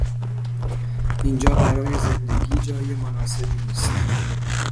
اینجا برای زندگی جای مناسبی نیست.